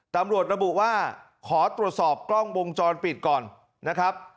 ตำรวจระบุว่าขอตรวจสอบกล้องวงจรปิดก่อนนะครับ